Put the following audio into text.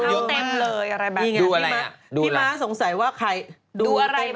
เงินเท่าเต็มเลยอะไรแบบนี้นะพี่มะสงสัยว่าใครดูอะไรบ้าง